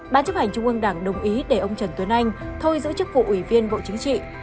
ban chấp hành trung ương đảng đồng ý để ông trần tuấn anh thôi giữ chức vụ ủy viên bộ chính trị